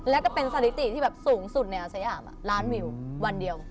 แล้วก็เป็นสถิติที่แบบสูงสุดในอาสยามล้านวิววันเดียว